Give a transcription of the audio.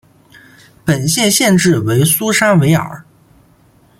本县县治为苏珊维尔。